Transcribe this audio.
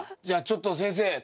じゃあちょっと先生